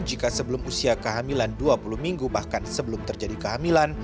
jika sebelum usia kehamilan dua puluh minggu bahkan sebelum terjadi kehamilan